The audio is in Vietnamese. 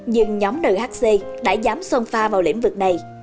nhưng nhóm nhc đã dám son pha vào lĩnh vực này